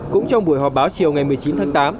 cũng trong buổi họp báo chiều ngày một mươi chín tháng tám